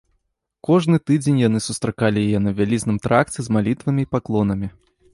Кожны тыдзень яны сустракалі яе на вялізным тракце з малітвамі і паклонамі.